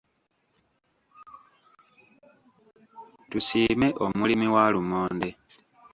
Tusiime omulimi wa lumonde.